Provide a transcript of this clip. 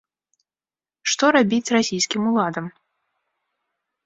Што рабіць расійскім уладам?